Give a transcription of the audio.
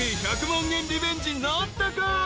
１００万円リベンジなったか？］